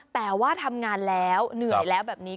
แต่ว่าทำงานแล้วเหนื่อยแล้วแบบนี้